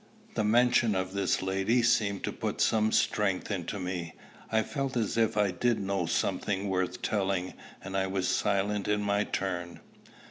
The mention of this lady seemed to put some strength into me. I felt as if I did know something worth telling, and I was silent in my turn.